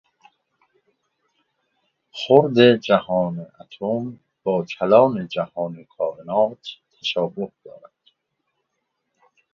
خرد جهان اتم با کلان جهان کائنات تشابه دارد.